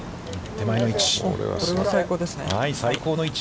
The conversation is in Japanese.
手前の位置。